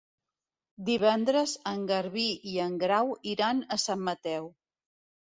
Divendres en Garbí i en Grau iran a Sant Mateu.